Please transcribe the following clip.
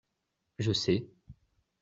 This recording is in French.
Je sais.